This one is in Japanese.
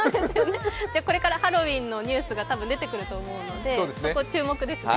これからハロウィーンのニュースが出てくると思うのでそこ、注目ですね。